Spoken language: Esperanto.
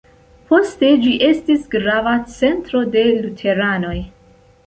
Poste ĝi estis grava centro de luteranoj.